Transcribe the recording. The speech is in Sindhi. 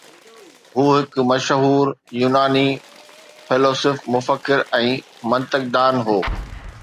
هُو هڪ مشهور يوناني فيلسوف، مفڪر ۽ منطق دان هو